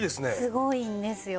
すごいんですよ。